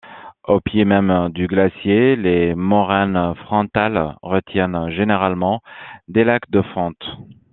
Aux pieds même du glacier, les moraines frontales retiennent généralement des lacs de fonte.